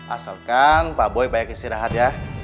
asalkan pak boy banyak istirahat ya